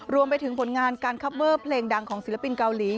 รวมไปถึงผลงานการคับเวอร์เพลงดังของศิลปินเกาหลี